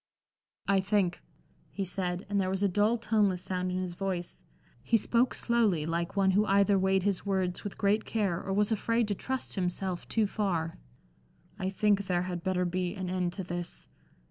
"I think," he said, and there was a dull, toneless sound in his voice; he spoke slowly, like one who either weighed his words with great care, or was afraid to trust himself too far, "I think there had better be an end to this.